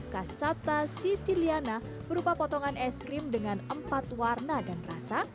kasata cisiliana berupa potongan es krim dengan empat warna dan rasa